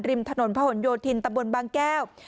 ริมถนนพะหนโยธินตะบนบางแก้ว